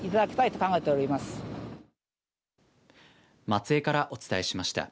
松江からお伝えしました。